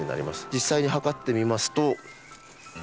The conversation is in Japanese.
実際に測ってみますと。